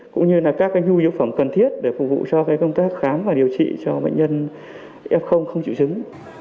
cũng như là các nhu yếu phẩm cần thiết để phục vụ cho công tác khám và điều trị cho bệnh nhân f không chịu chứng